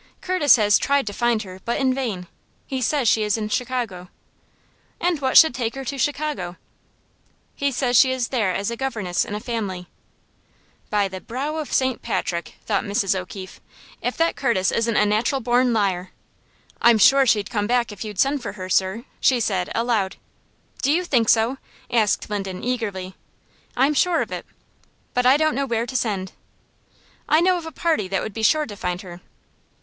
Curtis has tried to find her, but in vain. He says she is in Chicago." "And what should take her to Chicago?" "He says she is there as a governess in a family." "By the brow of St. Patrick!" thought Mrs. O'Keefe, "if that Curtis isn't a natural born liar. I'm sure she'd come back if you'd send for her, sir," said she, aloud. "Do you think so?" asked Linden, eagerly. "I'm sure of it." "But I don't know where to send." "I know of a party that would be sure to find her."